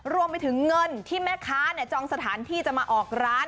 รวมไปถึงเงินที่แม่ค้าจองสถานที่จะมาออกร้าน